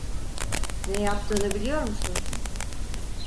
Ne yaptığını biliyor musun?